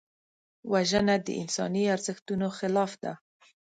وژنه د انساني ارزښتونو خلاف ده